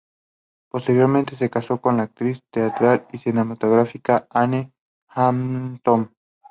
Posteriormente se casó con la actriz teatral y cinematográfica Anne Hamilton.